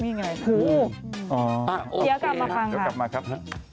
เดี๋ยวกลับมาฟังครับ